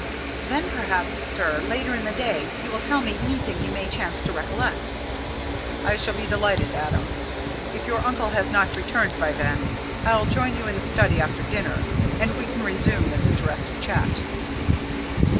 "Then perhaps, sir, later in the day you will tell me anything you may chance to recollect." "I shall be delighted, Adam. If your uncle has not returned by then, I'll join you in the study after dinner, and we can resume this interesting chat."